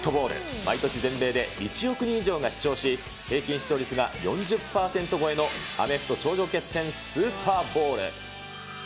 毎年全米で１億人以上が視聴し、平均視聴率が４０％超えのアメフト頂上決戦、スーパーボウル。